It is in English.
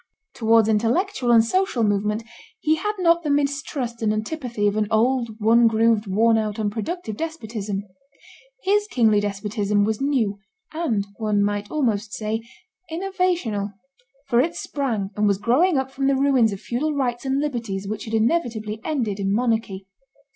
Towards intellectual and social movement he had not the mistrust and antipathy of an old, one grooved, worn out, unproductive despotism; his kingly despotism was new, and, one might almost say, innovational, for it sprang and was growing up from the ruins of feudal rights and liberties which had inevitably ended in monarchy.